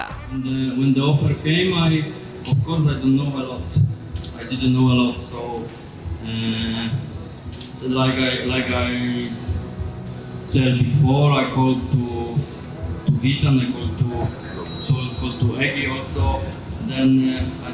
kedua duanya juga dan saya bertanya tentang segalanya jadi mereka membantu saya tentu saja